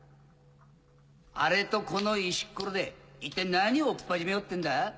あれとこの石っころで一体何をおっぱじめようってんだ？